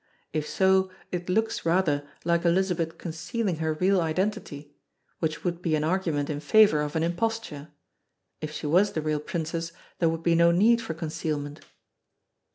If so it looks rather like Elizabeth concealing her real identity which would be an argument in favour of an imposture; if she was the real princess there would be no need for concealment.